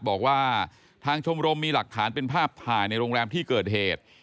บอกว่าทางชมรมมีหลักฐานเป็นภาพถ่ายในโรงแรมที่เกิดเหตุ